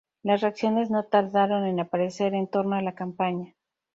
Las reacciones no tardaron en aparecer en torno a la campaña.